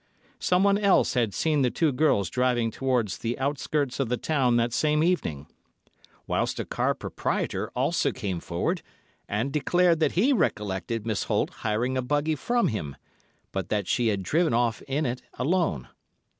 Someone else had seen the two girls driving towards the outskirts of the town that same evening; whilst a car proprietor also came forward and declared that he recollected Miss Holt hiring a buggy from him, but that she had driven off in it alone.